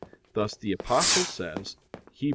Thus the Apostle says (Heb.